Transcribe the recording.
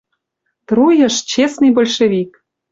Труйыш, честный большевик.